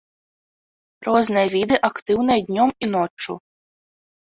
Розныя віды актыўныя днём і ноччу.